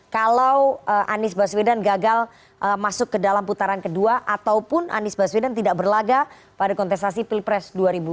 kalau anies baswedan gagal masuk ke dalam putaran kedua ataupun anies baswedan tidak berlaga pada kontestasi pilpres dua ribu dua puluh